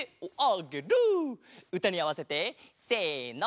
うたにあわせてせの！